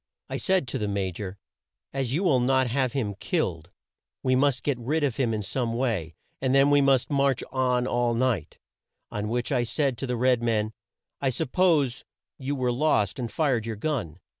I said to the Ma jor; 'As you will not have him killed, we must get rid of him in some way, and then we must march on all night;' on which I said to the red man, 'I suppose you were lost and fired your gun.'